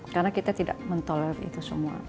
karena kita tidak men toler itu semua